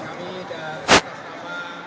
kami dan kita semua